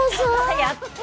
やった。